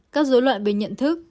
các dối loạn về nhận thức